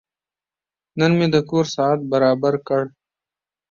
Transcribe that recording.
نن مې د کور ساعت برابر کړ.